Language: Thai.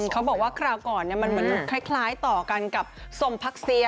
เขาบอกว่าคราวก่อนมันเหมือนคล้ายต่อกันกับสมพักเซีย